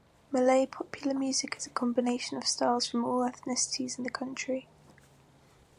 Malay popular music is a combination of styles from all ethnicities in the country.